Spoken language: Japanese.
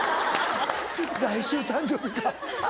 来週誕生日か。